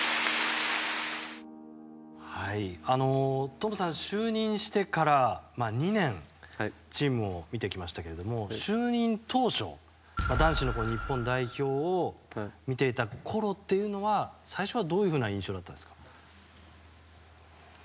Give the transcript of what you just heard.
トムさん就任してから２年チームを見てきましたが就任当初、男子の日本代表を見ていたころは最初はどういう印象だったんですか？